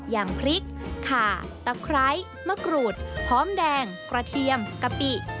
อย่างพริกขาตะไคร้มะกรูดหอมแดงกระเทียมกะปิ